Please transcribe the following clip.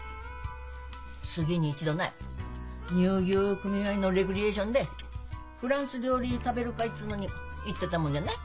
月に一度ない乳牛組合のレクリエーションで「フランス料理食べる会」つうのに行ってたもんでない。